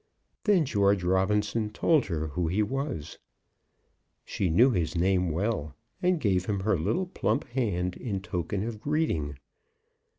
Then George Robinson told her who he was. She knew his name well, and gave him her little plump hand in token of greeting.